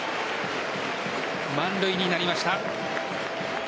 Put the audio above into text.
満塁になりました。